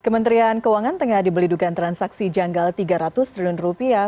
kementerian keuangan tengah dibeli dugaan transaksi janggal tiga ratus triliun rupiah